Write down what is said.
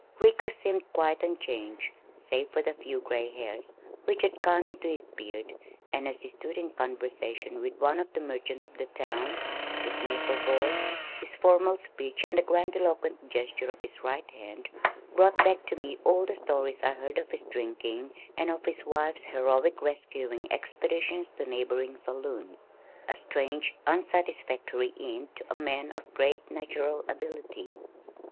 Ricker seemed quite unchanged save for the few gray hairs which had come into his beard and, as he stood in conversation with one of the merchants of the town, his nasal voice, his formal speech and the grandiloquent gesture of his right hand brought back to me all the stories I had heard of his drinking and of his wife's heroic rescuing expeditions to neighboring saloons. A strange, unsatisfactory end to a man of great natural ability.